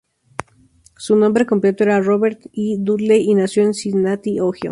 Su nombre completo era Robert Y. Dudley, y nació en Cincinnati, Ohio.